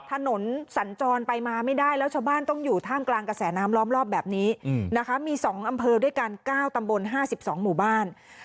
สัญจรไปมาไม่ได้แล้วชาวบ้านต้องอยู่ท่ามกลางกระแสน้ำล้อมรอบแบบนี้นะคะมี๒อำเภอด้วยกัน๙ตำบล๕๒หมู่บ้าน